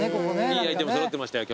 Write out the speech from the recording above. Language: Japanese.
いいアイテム揃ってましたよ